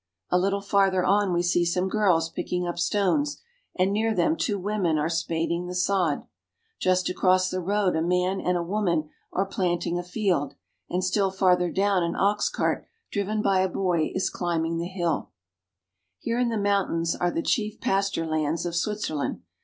A little farther on we see some girls picking up stones, and near them two women are spading the sod. Just across the road a man and a woman are planting a field, and still farther down an ox cart driven by a boy is climbing the hill. House in the Highlands. Here in the mountains are the chief pasture lands of Switzerland.